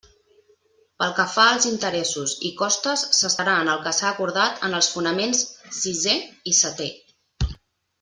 Pel que fa als interessos i costes s'estarà en el que s'ha acordat en els fonaments sisé i seté.